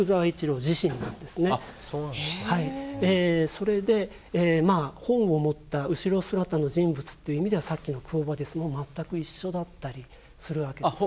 それでまあ本を持った後ろ姿の人物っていう意味ではさっきの「クォ・ヴァディス」も全く一緒だったりするわけですね。